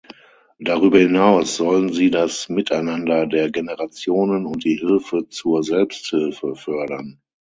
Darüber hinaus sollen sie das Miteinander der Generationen und die Hilfe zur Selbsthilfe fördern.